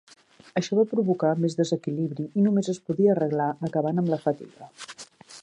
Això va provocar més desequilibri i només es podia arreglar acabant amb la fatiga.